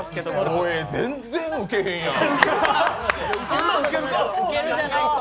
全然ウケへんやん。